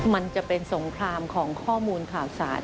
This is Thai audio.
มันจะเป็นสงครามของข้อมูลข่าวสาร